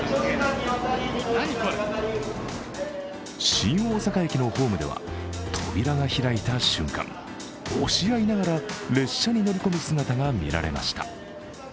新大阪駅のホームでは扉が開いた瞬間、押し合いながら列車に乗り込む姿が見られました。